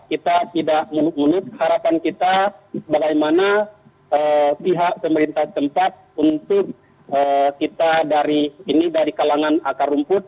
kita tidak menutup harapan kita bagaimana pihak pemerintah tempat untuk kita dari kalangan akar rumput